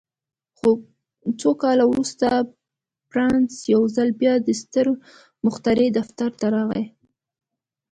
څو کاله وروسته بارنس يو ځل بيا د ستر مخترع دفتر ته راغی.